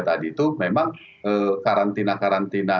tadi itu memang karantina karantina